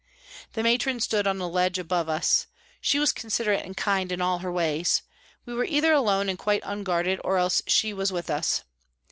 The Matron stood on a ledge above us. She was considerate and kind in all her ways. We were either alone and quite unguarded or else she was with us.